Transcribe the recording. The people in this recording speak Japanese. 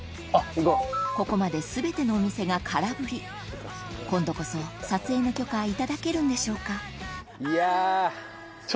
ここまで全てのお店が空振り今度こそ撮影の許可頂けるんでしょうか？